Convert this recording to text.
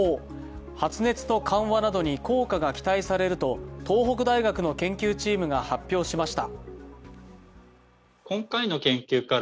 発熱の緩和などに効果が期待されると東北大学の研究チームが発表しました。